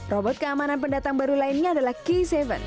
robot keamanan pendatang baru lainnya adalah k tujuh